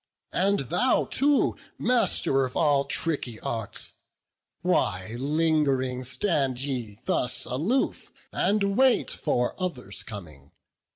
And thou too, master of all tricky arts, Why, ling'ring, stand ye thus aloof, and wait For others coming?